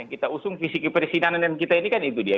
kita usung visi kepresidenan kita ini kan itu dia